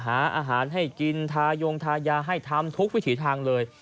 หาอาหารให้กินทายงทายาให้ทำทุกวิถีทางเลย